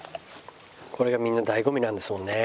これがみんな醍醐味なんですもんね。